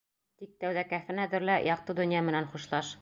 Тик тәүҙә кәфен әҙерлә, яҡты донъя менән хушлаш.